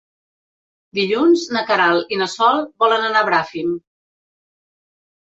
Dilluns na Queralt i na Sol volen anar a Bràfim.